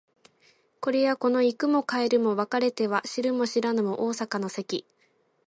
これやこの行くも帰るも別れては知るも知らぬも逢坂の関